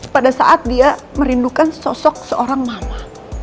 pada saat dia merindukan sosok seorang mama